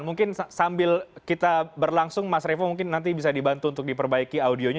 mungkin sambil kita berlangsung mas revo mungkin nanti bisa dibantu untuk diperbaiki audionya